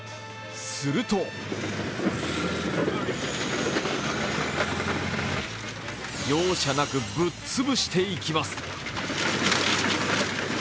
すると容赦なくぶっ潰していきます。